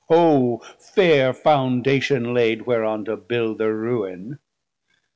520 O fair foundation laid whereon to build Thir ruine!